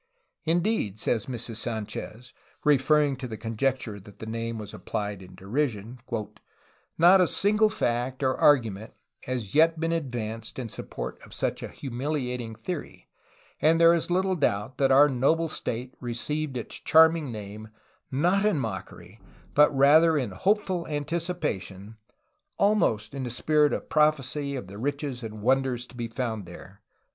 Indeed, says Mrs. Sanchez, referring to the conjecture that the name was appUed in derision, "not a single fact or argument has yet been advanced in support of such a humiliating theory, and there is little doubt that our noble State received its charming name, not in mockery, but rather in hopeful anticipation, almost in a spirit of prophecy of the riches and wonders to be found there."